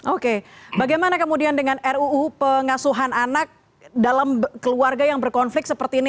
oke bagaimana kemudian dengan ruu pengasuhan anak dalam keluarga yang berkonflik seperti ini